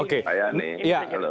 oke pak yani